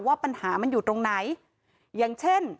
ว่าปัญหามันอยู่ตรงไหนอย่างเช่น